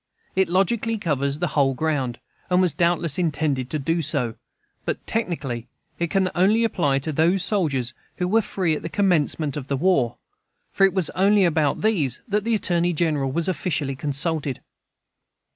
It logically covers the whole ground, and was doubtless intended to do so; but technically it can only apply to those soldiers who were free at the commencement of the war. For it was only about these that the Attorney General was officially consulted.